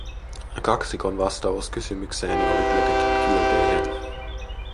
Kaksikon vastaus kysymykseeni oli tietenkin kielteinen;